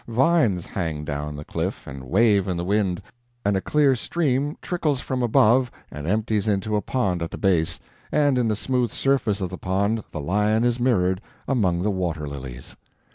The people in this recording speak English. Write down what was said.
Vines hang down the cliff and wave in the wind, and a clear stream trickles from above and empties into a pond at the base, and in the smooth surface of the pond the lion is mirrored, among the water lilies.